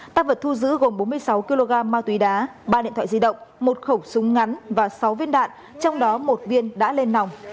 tăng vật thu giữ gồm bốn mươi sáu kg ma túy đá ba điện thoại di động một khẩu súng ngắn và sáu viên đạn trong đó một viên đã lên nòng